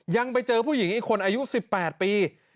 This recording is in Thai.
ยังไปเจอผู้หญิงอีกคนอายุ๑๘ปี